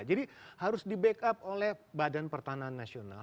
jadi harus di backup oleh badan pertanian nasional